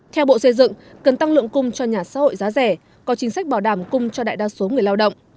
theo bộ xây dựng cần tăng lượng cung cho nhà xã hội giá rẻ có chính sách bảo đảm cung cho đại đa số người lao động